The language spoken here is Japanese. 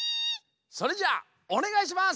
それじゃあおねがいします！